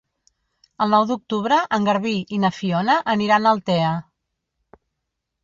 El nou d'octubre en Garbí i na Fiona aniran a Altea.